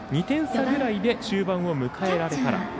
２点差ぐらいで終盤を迎えられたら。